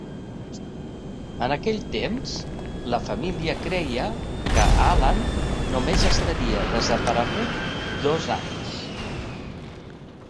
En aquell temps, la família creia que Allan només estaria desaparegut dos anys.